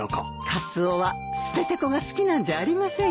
カツオはステテコが好きなんじゃありませんよ。